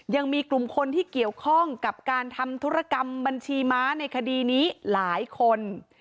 ยังมีกลุ่มคนที่เกี่ยวข้องกับการทำธุรกรรมบัญชีม้าในคดีนี้หลายคน